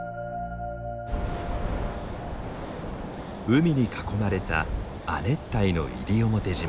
海に囲まれた亜熱帯の西表島。